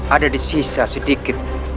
ada di sisa sedikit